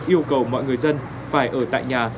yêu cầu mọi người dân phải ở tại nhà